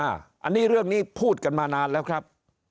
อันนี้เรื่องนี้พูดกันมานานแล้วครับ